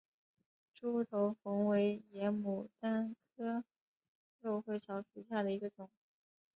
楮头红为野牡丹科肉穗草属下的一个种。